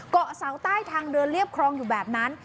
เกาะเสาใต้ทางเดินเรียบครองอยู่แบบนั้น